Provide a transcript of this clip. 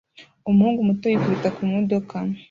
Umuhungu muto yikubita ku modoka